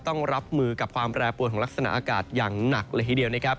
ต้องรับมือกับความแปรปวนของลักษณะอากาศอย่างหนักเลยทีเดียวนะครับ